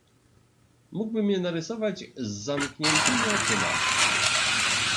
"Mógłbym je narysować z zamkniętymi oczyma."